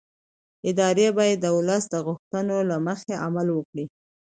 ادارې باید د ولس د غوښتنو له مخې عمل وکړي